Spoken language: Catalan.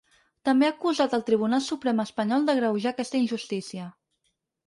També ha acusat el Tribunal Suprem espanyol ‘d’agreujar aquesta injustícia’.